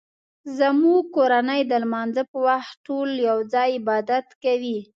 زموږ کورنۍ د لمانځه په وخت ټول یو ځای عبادت کوي